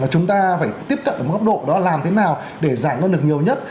chúng ta phải tiếp cận ở một góc độ đó làm thế nào để giải ngân được nhiều nhất